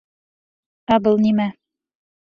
Ә был нимә?